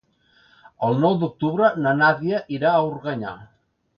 El nou d'octubre na Nàdia irà a Organyà.